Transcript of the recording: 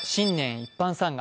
一般参賀。